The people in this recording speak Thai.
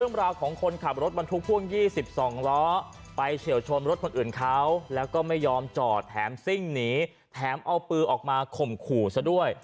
เรื่องราวของคนขับรถบรรทุกพ่วง๒๒ล้อไปเฉียวชนรถคนอื่นเขาแล้วก็ไม่ยอมจอดแถมซิ่งหนีแถมเอาปืนออกมาข่มขู่ซะด้วย